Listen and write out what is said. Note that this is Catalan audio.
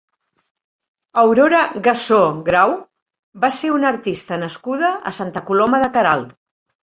Aurora Gassó Grau va ser una artista nascuda a Santa Coloma de Queralt.